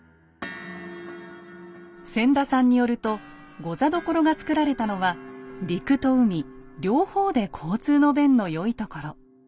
千田さんによると御座所が造られたのは陸と海両方で交通の便の良いところ。